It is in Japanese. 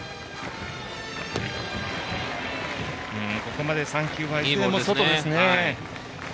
ここまで３球はいずれも外ですね。